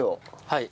はい。